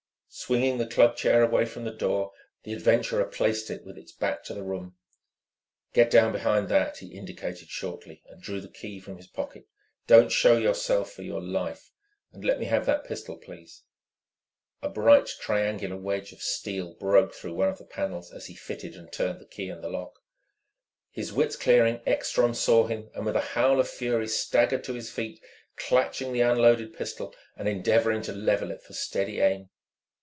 Swinging the club chair away from the door, the adventurer placed it with its back to the room. "Get down behind that," he indicated shortly, and drew the key from his pocket. "Don't show yourself for your life. And let me have that pistol, please." A bright triangular wedge of steel broke through one of the panels as he fitted and turned the key in the lock. His wits clearing, Ekstrom saw him and with a howl of fury staggered to his feet, clutching the unloaded pistol and endeavouring to level it for steady aim.